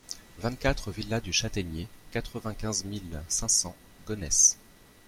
vingt-quatre villa du Chataignier, quatre-vingt-quinze mille cinq cents Gonesse